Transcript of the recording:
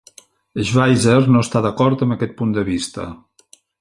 Schweizer no està d'acord amb aquest punt de vista.